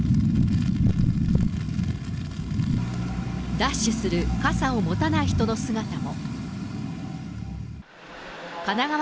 ダッシュする傘を持たない人の姿も。